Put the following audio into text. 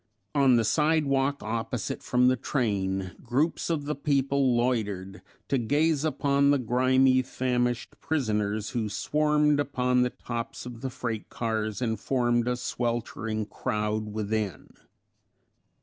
On the sidewalk opposite from the train groups of the people loitered to gaze upon the grimy, famished prisoners who swarmed upon the tops of the freight cars and formed a sweltering crowd within.